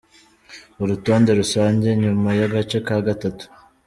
Urutonde rusange nyuma y’agace ka gatatu